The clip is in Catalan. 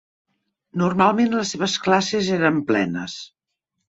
Normalment les seves classes eren plenes.